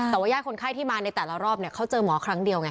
แต่ว่าญาติคนไข้ที่มาในแต่ละรอบเนี่ยเขาเจอหมอครั้งเดียวไง